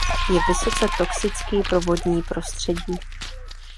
Je vysoce toxický pro vodní prostředí.